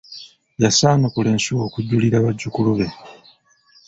Yasaanukula ensuwa okujulira bazukulu be.